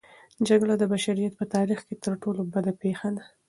جګړه د بشریت په تاریخ کې تر ټولو بده پېښه ده.